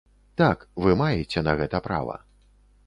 Так, вы маеце на гэта права.